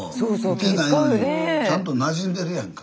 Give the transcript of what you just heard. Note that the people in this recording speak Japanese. いてないのにちゃんとなじんでるやんか。